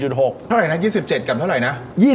เท่าไหร่นะ๒๗กับเท่าไหร่นะ